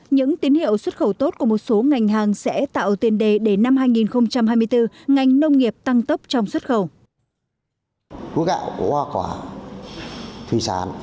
những tín hiệu xuất khẩu tốt của một số ngành hàng sẽ tạo tiền đề để năm hai nghìn hai mươi bốn ngành nông nghiệp tăng tốc trong xuất khẩu